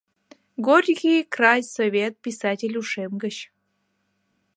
«Горький край совет Писатель ушем гыч.